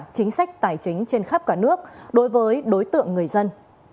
chính sách tài chính trên khắp cả nước đối với đối tượng người dân